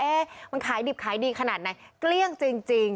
มันขายดิบขายดีขนาดไหนเกลี้ยงจริง